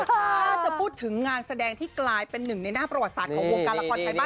ถ้าจะพูดถึงงานแสดงที่กลายเป็นหนึ่งในหน้าประวัติศาสตร์ของวงการละครไทยบ้าน